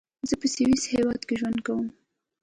زۀ پۀ سويس هېواد کې ژوند کوم.